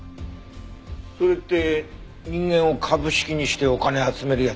それって人間を株式にしてお金集めるやつ？